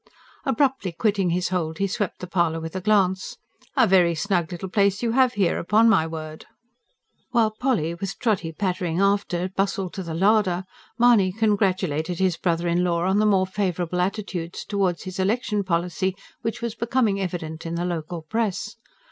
Abruptly quitting his hold, he swept the parlour with a glance. "A very snug little place you have here, upon my word!" While Polly, with Trotty pattering after, bustled to the larder, Mahony congratulated his brother in law on the more favourable attitude towards his election policy which was becoming evident in the local press.